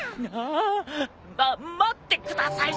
あっ待ってください！